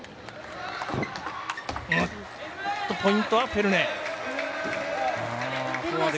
ポイントはフェルネ。